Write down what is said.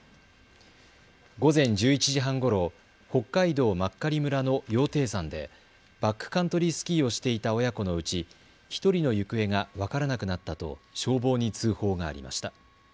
午前１１時半ごろ、北海道真狩村の羊蹄山でバックカントリースキーをしていた親子のうち１人の行方が分からなくなったと消防に通報がありました。